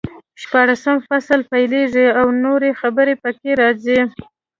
شپاړسم فصل پیلېږي او نورې خبرې پکې راځي.